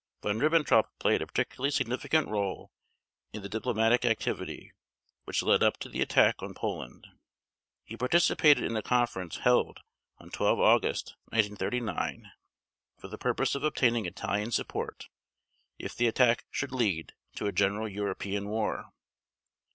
Von Ribbentrop played a particularly significant role in the diplomatic activity which led up to the attack on Poland. He participated in a conference held on 12 August 1939, for the purpose of obtaining Italian support if the attack should lead to a general European war.